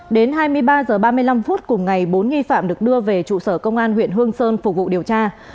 đến hai mươi ba h ba mươi năm phút cùng ngày bốn nghi phạm được đưa về trụ sở công an huyện hương sơn phục vụ điều tra